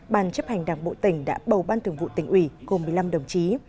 ban chấp hành đảng bộ tỉnh đã bầu ban thường vụ tỉnh ủy gồm một mươi năm đồng chí